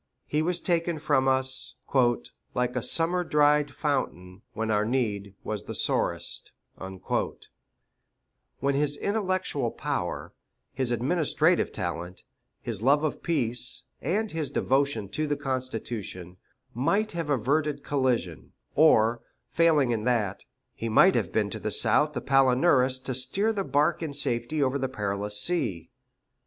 He was taken from us "Like a summer dried fountain, When our need was the sorest;" when his intellectual power, his administrative talent, his love of peace, and his devotion to the Constitution, might have averted collision; or, failing in that, he might have been to the South the Palinurus to steer the bark in safety over the perilous sea.